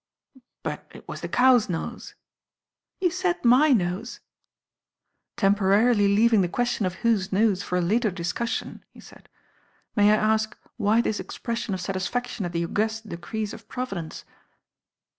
"But it was the cow's nose." "You said my nose." "Temporarily leaving the question of whose nose for a later discussion," he said, "may I ask why this expression of satisfaction at the august decrees of Providence."